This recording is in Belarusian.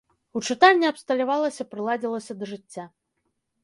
У чытальні абсталявалася, прыладзілася да жыцця.